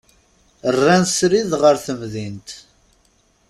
Rran srid ɣer temdint.